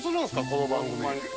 この番組。